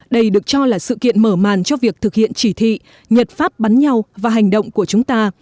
đây được cho là sự kiện mở màn cho việc thực hiện chỉ thị nhật pháp bắn nhau và hành động của chúng ta